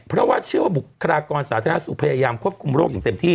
เพราะว่าเชื่อว่าบุคลากรสาธารณสุขพยายามควบคุมโรคอย่างเต็มที่